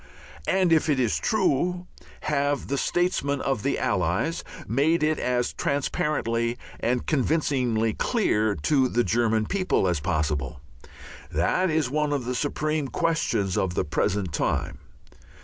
And if it is true, have the statesmen of the Allies made it as transparently and convincingly clear to the German people as possible? That is one of the supreme questions of the present time.